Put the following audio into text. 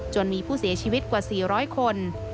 มีผู้เสียชีวิตกว่า๔๐๐คน